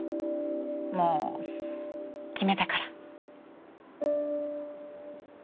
もう決めたから。